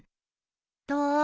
どう？